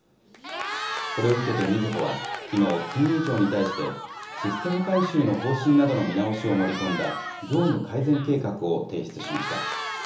これを受けてみずほはきのう、金融庁に対して、システム改修の方針などの見直しを盛り込んだ業務改善計画を提出しました。